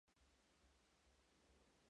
Su nombre en árabe significa península.